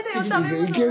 いける？